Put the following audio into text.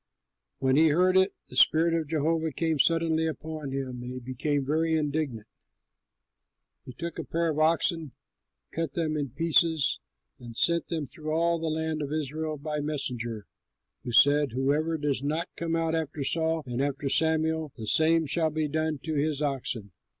When he heard it, the spirit of Jehovah came suddenly upon him and he became very indignant. He took a pair of oxen, cut them in pieces, and sent them through all the land of Israel by messengers, who said, "Whoever does not come out after Saul and after Samuel, the same shall be done to his oxen!"